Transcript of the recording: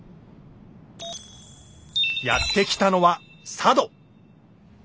やって来たのは佐渡。